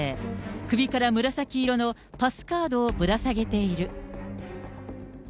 首から紫色のパスカードをぶら下げている。